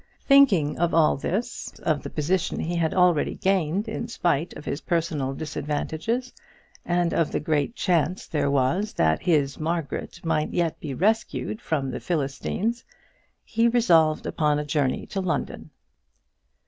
Thinking of all this, of the position he had already gained in spite of his personal disadvantages, and of the great chance there was that his Margaret might yet be rescued from the Philistines, he resolved upon a journey to London.